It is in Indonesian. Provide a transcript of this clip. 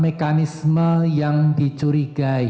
mekanisme yang dicurigai